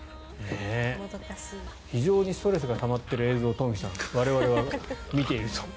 非常にストレスがたまっている映像を東輝さん、我々は見ていると。